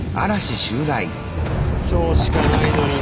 今日しかないのにな。